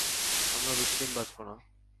আমরা বেশিদিন বাঁচব না।